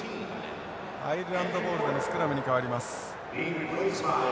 アイルランドボールでのスクラムに変わります。